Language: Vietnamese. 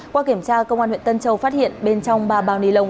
qua kiểm tra công an huyện tân châu phát hiện bên trong ba bao ni lông